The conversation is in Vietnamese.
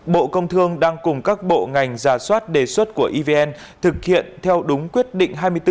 bộ công thương đang cùng các bộ ngành giả soát đề xuất của evn thực hiện theo đúng quyết định hai mươi bốn